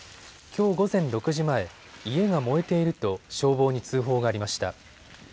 きょう午前６時前、家が燃えていると消防に通報がありました。